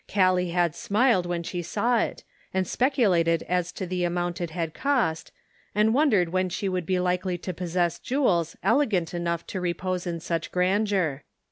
Callie had smiled when she saw it, and speculated as to the amount it had cost, and wondered when she would be likely to possess jewels elegant enough to re pose in such grandeur.